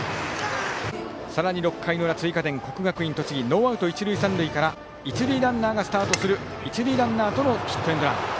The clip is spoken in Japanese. さらに６回の裏、追加点国学院栃木ノーアウト一塁三塁から一塁ランナーとのヒットエンドラン。